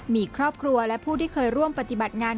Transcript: มีครอบครัวและผู้ที่เคยร่วมปฏิบัติงาน